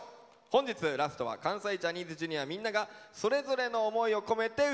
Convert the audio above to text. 本日ラストは関西ジャニーズＪｒ．みんながそれぞれの思いを込めて歌います。